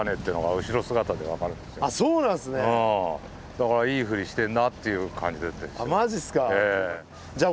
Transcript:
だからいい振りしてんなっていう感じだったですよ。